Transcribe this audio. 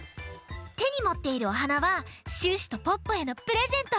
てにもっているおはなはシュッシュとポッポへのプレゼント。